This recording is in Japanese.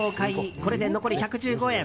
これで残り１１５円。